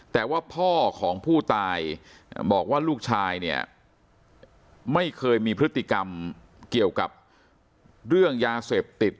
แต่ว่าพ่อของผู้ตายบอกว่าลูกชายเนี่ยไม่เคยมีพฤติกรรมเกี่ยวกับเรื่องยาเสพติด